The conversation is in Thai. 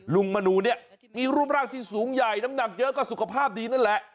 มนูเนี่ยมีรูปร่างที่สูงใหญ่น้ำหนักเยอะก็สุขภาพดีนั่นแหละ